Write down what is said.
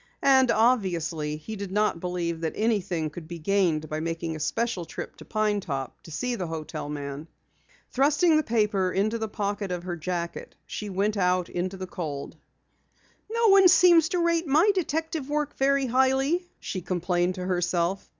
And obviously, he did not believe that anything could be gained by making a special trip to Pine Top to see the hotel man. Thrusting the paper into the pocket of her jacket she went out into the cold. "No one seems to rate my detective work very highly," she complained to herself.